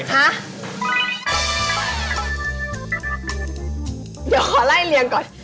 เดี๋ยวขอไล่เรียงก่อน